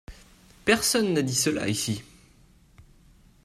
Personne n’a dit cela ici.